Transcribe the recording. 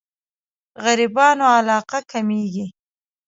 غريبانو علاقه کمېږي.